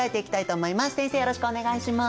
よろしくお願いします。